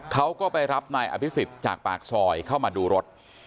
เขาก็ไปรับนายอภิษฎจากปากซอยเข้ามาดูรถ